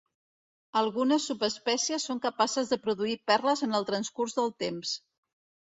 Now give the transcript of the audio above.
Algunes subespècies són capaces de produir perles en el transcurs del temps.